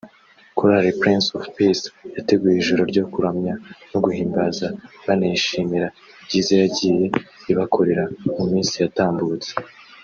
Korali Prince of Peace yateguye ijoro ryo kuramya no guhimbaza banayishimira ibyiza yagiye ibakorera mu minsi yatambutse